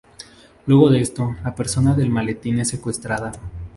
Luego de esto, la persona del maletín es secuestrada.